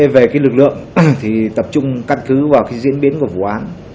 về lực lượng thì tập trung căn cứ vào diễn biến của vụ án